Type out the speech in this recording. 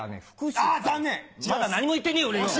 まだ何も言ってねえよ。